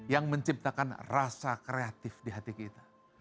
yang menciptakan rasa kreatif di hati kita